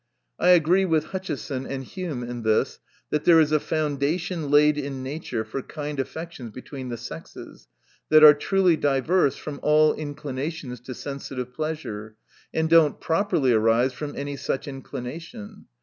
I agree with Hutcheson and Hume in this, that there is a THE NATURE OF VIRTUE. 29b foundation laid in nature for kind affections between the sexes, that are truly diverse from all inclinations to sensitive pleasure, and do not properly arise from any such inclination.